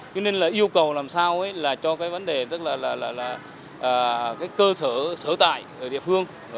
cho nên là yêu cầu làm sao cho cái vấn đề cơ sở sở tại ở địa phương